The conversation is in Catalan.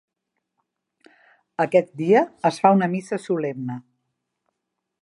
Aquest dia es fa una Missa Solemne.